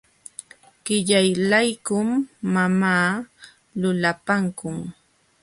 Qillaylaykum mamaa lulapankun.